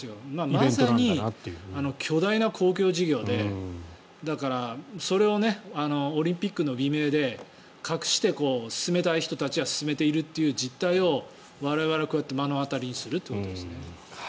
まさに巨大な公共事業でだから、それをオリンピックの美名で隠して進めたい人たちは進めているという実態を我々はこうやって目の当たりにするということですね。